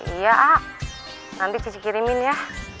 iya aa nanti cici kirimin ya